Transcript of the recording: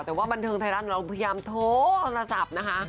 แต่ว่าบันเทิงไทยรัฐเราพยายามโทรศัพท์นะคะ